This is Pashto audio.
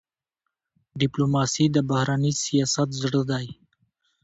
ډيپلوماسي د بهرني سیاست زړه دی.